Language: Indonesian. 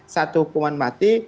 satu hukuman mati